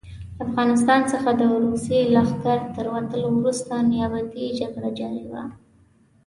له افغانستان څخه د روسي لښکرو تر وتلو وروسته نیابتي جګړه جاري وه.